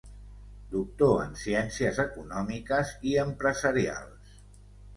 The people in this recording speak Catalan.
Doctor en Ciències Econòmiques i Empresarials.